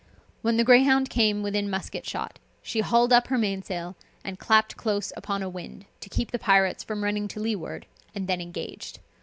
When the Greyhound came within musket shot, she hauled up her mainsail, and clapped close upon a wind, to keep the pirates from running to leeward, and then engaged.